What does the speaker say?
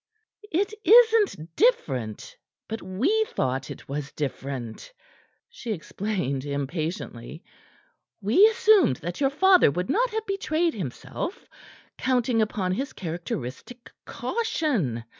"It isn't different but we thought it was different," she explained impatiently. "We assumed that your father would not have betrayed himself, counting upon his characteristic caution.